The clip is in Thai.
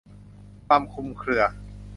ความคลุมเครือ